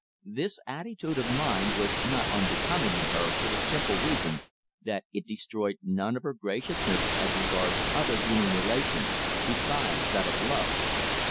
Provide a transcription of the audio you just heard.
This attitude of mind was not unbecoming in her for the simple reason that it destroyed none of her graciousness as regards other human relations besides that of love.